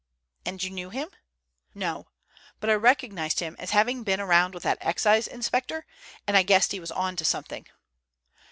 "And you knew him?" "No, but I recognized him as having been around with that Excise inspector, and I guessed he was on to something."